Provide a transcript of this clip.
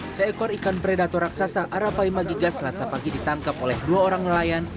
seekor ikan predator raksasa arapai magiga selasa pagi ditangkap oleh dua orang nelayan